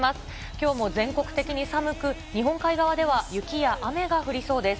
きょうも全国的に寒く、日本海側では雪や雨が降りそうです。